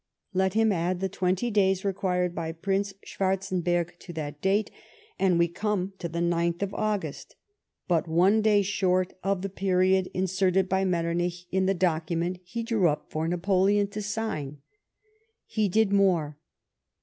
Let him add the twenty days required by rriiice Schvvarzenberg to that date, and wc come to the 9th August, but one day short of the period inserted by Metternlch in the document he drew up for Napoleon to sign ! He did more.